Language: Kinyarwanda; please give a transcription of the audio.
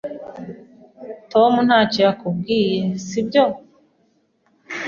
Tom ntacyo yakubwiye, sibyo?